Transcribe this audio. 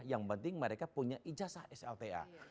yang penting mereka punya ijazah slta